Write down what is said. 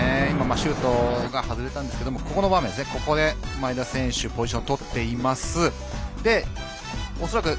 シュートが外れたんですけれども前田選手、ポジションを取っています。